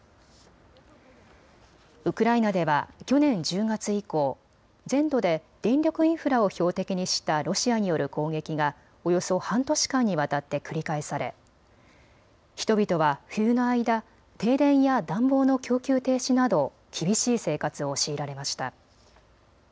ウクライナでは去年１０月以降、全土で電力インフラを標的にしたロシアによる攻撃がおよそ半年間にわたって繰り返され人々は冬の間、停電や暖房の供給停止など厳しい生活を強いられました。